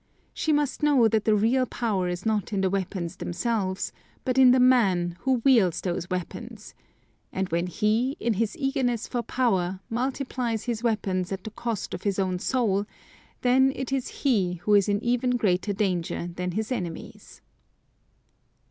She must know that the real power is not in the weapons themselves, but in the man who wields those weapons; and when he, in his eagerness for power, multiplies his weapons at the cost of his own soul, then it is he who is in even greater danger than his enemies.